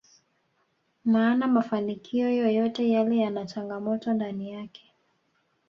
maana mafanikio yoyote yale yana changamoto ndani yake